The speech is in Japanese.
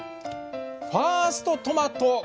ファーストトマト